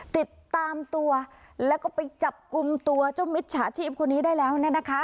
ติดตามตัวแล้วก็ไปจับกลุ่มตัวเจ้ามิจฉาชีพคนนี้ได้แล้วเนี่ยนะคะ